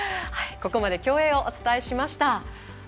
ここまで競泳をお伝えしました。